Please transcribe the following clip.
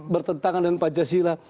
bertentangan dengan pancasila